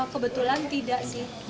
kebetulan tidak sih